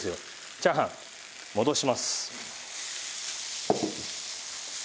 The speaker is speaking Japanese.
チャーハン戻します。